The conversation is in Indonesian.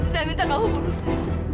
saya minta kamu bunuh saya